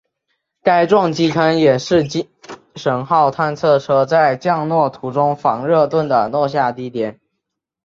该撞击坑也是精神号探测车在降落途中防热盾的落下地点。